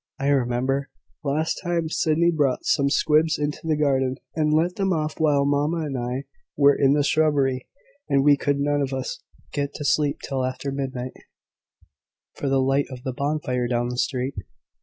I remember, last time, Sydney brought some squibs into the garden, and let them off while mamma and I were in the shrubbery; and we could none of us get to sleep till after midnight for the light of the bonfire down the street."